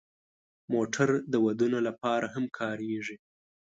موټر د ودونو لپاره هم کارېږي.